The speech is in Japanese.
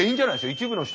一部の人。